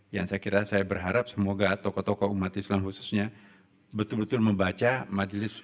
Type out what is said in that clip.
yang saya kira saya berharap semoga tokoh tokoh umat islam khususnya betul betul membaca majelis